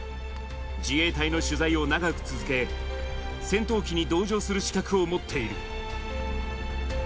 自衛隊の取材を長く続け、戦闘機に同乗する資格を持っている。